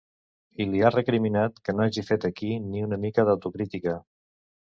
I li ha recriminat que no hagi fet aquí ni una mica d’autocrítica.